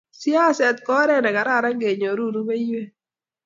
siasee ko oret ne kararan kenyoru rubeiwek